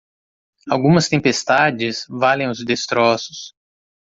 Algumas tempestades valem os destroços.